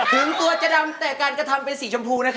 ถึงตัวจะดำแต่การกระทำเป็นสีชมพูนะคะ